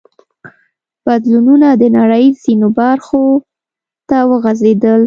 بدلونونه د نړۍ ځینو برخو ته وغځېدل.